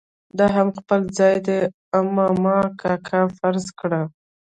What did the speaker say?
دا هم خپل ځای دی او ما کاکا فرض کړه.